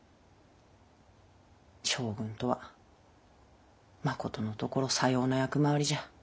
将軍とはまことのところさような役回りじゃ。